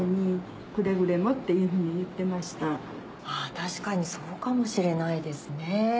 確かにそうかもしれないですね。